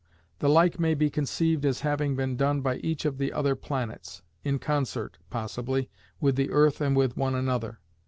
The like may be conceived as having been done by each of the other planets, in concert, possibly, with the Earth and with one another.